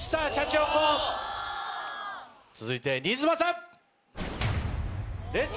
続いて新妻さん。